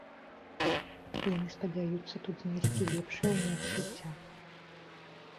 Яны спадзяюцца тут знайсці лепшыя ўмовы жыцця.